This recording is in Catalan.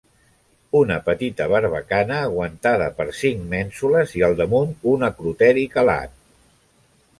Una petita barbacana aguantada per cinc mènsules i al damunt un acroteri calat.